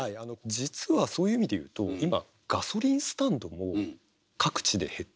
実はそういう意味で言うと今ガソリンスタンドも各地で減ってる。